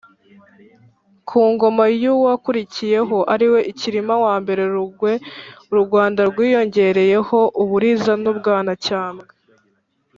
Ku ngoma y’uwakurikiyeho, ariwe Cyirima I Rugwe, u Rwanda rwiyongereyeho u Buriza n’u Bwanacyambwe.